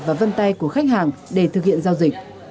và vân tay của khách hàng để thực hiện giao dịch